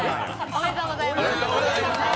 おめでとうございます。